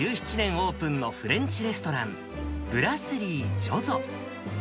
オープンのフレンチレストラン、ブラスリージョゾ。